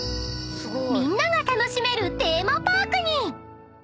［みんなが楽しめるテーマパークに］